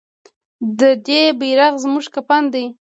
د دې بیرغ زموږ کفن دی؟